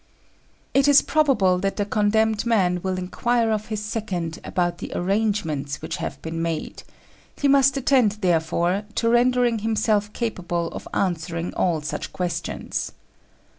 It is probable that the condemned man will inquire of his second about the arrangements which have been made: he must attend therefore to rendering himself capable of answering all such questions.